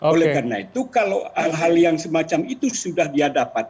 oleh karena itu kalau hal hal yang semacam itu sudah dia dapat